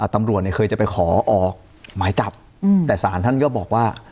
ตำรวจเนี่ยเคยจะไปขอออกหมายจับแต่สารท่านก็บอกว่า